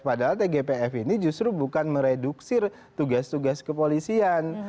padahal tgpf ini justru bukan mereduksir tugas tugas kepolisian